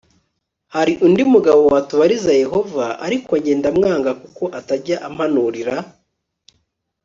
hari undi mugabo watubariza yehova ariko jye ndamwanga kuko atajya ampanurira